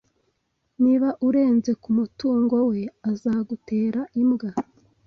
[S] Niba urenze ku mutungo we, azagutera imbwa.